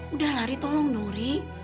udah lah riri tolong dong riri